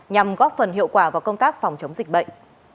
nhằm góp phần hiệu quả vào công tác phòng chống dịch bệnh